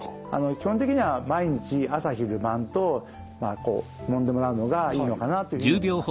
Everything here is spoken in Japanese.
基本的には毎日朝昼晩とこうもんでもらうのがいいのかなというふうに思います。